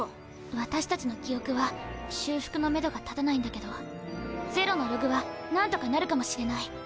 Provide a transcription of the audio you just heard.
私たちの記憶は修復のめどが立たないんだけどゼロのログは何とかなるかもしれない。